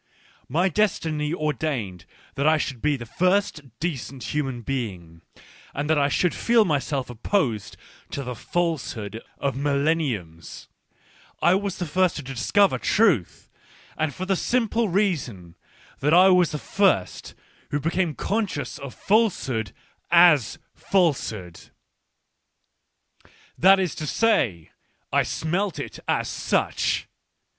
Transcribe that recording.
My destiny ordained that I should be the first decent human being, and that I should feel myself opposed to the falsehood of millenniums. I was the first to discover ti^uth, and for the simple reason that I was the first who became conscious of falsehood as falsehood — that is to say, I smelt it as such.